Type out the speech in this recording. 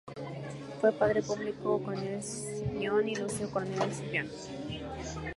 Fue padre de Publio Cornelio Escipión y Lucio Cornelio Escipión.